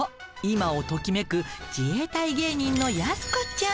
今を時めく自衛隊芸人のやす子ちゃん。